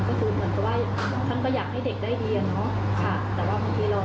เหมือนกับว่าท่านก็อยากให้เด็กได้ดี